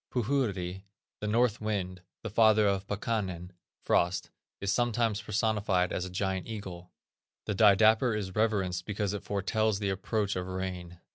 Puhuri, the north wind, the father of Pakkanen (frost) is sometimes personified as a gigantic eagle. The didapper is reverenced because it foretells the approach of rain.